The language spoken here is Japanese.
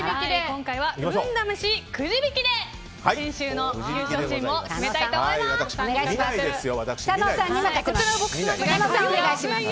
今回は運試しくじ引きで先週の優勝チームを決めたいと思います。